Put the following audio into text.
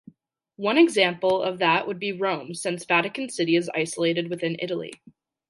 One example of that would be Rome since Vatican City is isolated within Italy.